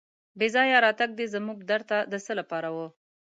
بې ځایه راتګ دې زموږ در ته د څه لپاره و.